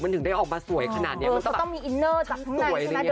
มันถึงได้ออกมาสวยขนาดเนี้ยเออมันต้องมีอินเนอร์จากข้างใน